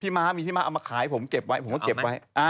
พี่มาแหว่งเอามาขายผมก็เก็บไว้